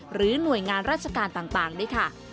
หรือหน่วยงานราชการต่างด้วยค่ะ